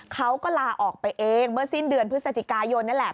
เขาก็ลาออกไปเองเมื่อสิ้นเดือนพฤศจิกายนนี่แหละ